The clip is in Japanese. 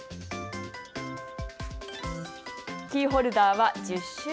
キーホルダーは１０種類。